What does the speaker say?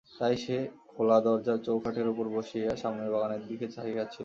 তাই সে খোলা দরজার চৌকাঠের উপর বসিয়া সামনের বাগানের দিকে চাহিয়া ছিল।